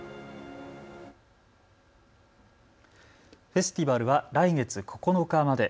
フェスティバルは来月９日まで。